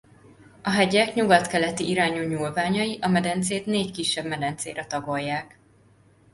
A hegyek nyugat–keleti irányú nyúlványai a medencét négy kisebb medencére tagolják.